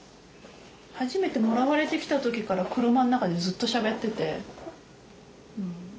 初めてもらわれてきた時から車の中でずっとしゃべってて。